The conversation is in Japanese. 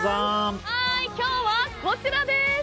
今日はこちらです！